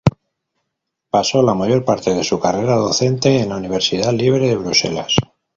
Pasó la mayor parte de su carrera docente en la Universidad Libre de Bruselas.